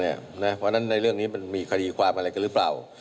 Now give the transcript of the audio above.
เพราะฉะนั้นในเรื่องนี้มันมีคดีความอะไรกันหรือเปล่า